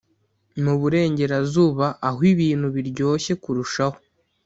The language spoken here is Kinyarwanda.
Mu Burengerazuba aho ibintu biryoshye kurushaho